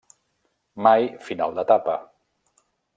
Mai final d'etapa.